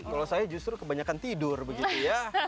kalau saya justru kebanyakan tidur begitu ya